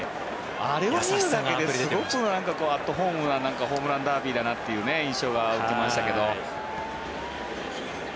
あれを見るだけですごくアットホームなホームランダービーだなっていう印象が持てましたけど。